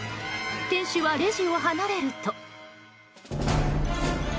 店主はレジを離れると。